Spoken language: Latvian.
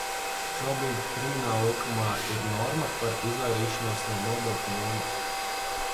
Šobrīd Krimināllikumā ir norma par izvairīšanos no nodokļu nomaksas.